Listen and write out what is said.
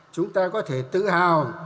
chúng ta có thể tìm ra những điều kiện tốt nhất